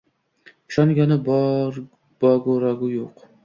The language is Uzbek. Ishongani bogu rogi yuq